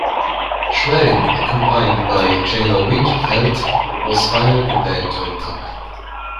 Schwerin, accompanied by General Winterfeldt, was finally prepared to attack.